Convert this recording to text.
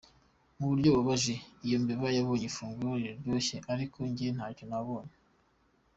"Mu buryo bubabaje, iyo mbeba yabonye ifunguro riryoshye ariko jye ntacyo nabonye.